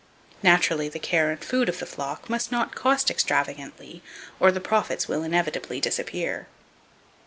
Naturally the care and food of the flock must not cost extravagantly, or the profits will inevitably disappear.